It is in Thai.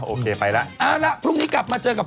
โอเคไปแล้วเอาละพรุ่งนี้กลับมาเจอกับ